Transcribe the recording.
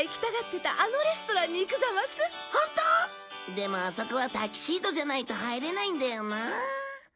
でもあそこはタキシードじゃないと入れないんだよな。